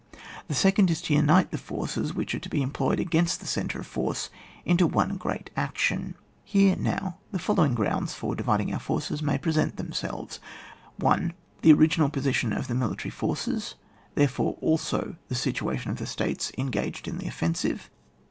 The second is to unite the forces which are to be employed against the centre of force into one great action. Here now the following grounds for dividing our forces may present them selves :— 1. The original position of the military forces, therefore also the situation of the States engaged in the offensive.